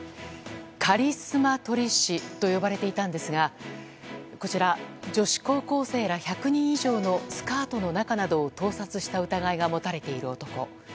カリスマ撮り師と呼ばれていたんですがこちら女子高校生ら１００人以上のスカートの中などを盗撮した疑いが持たれている男。